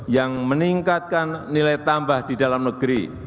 yang meningkatkan nilai tambah di dalam negeri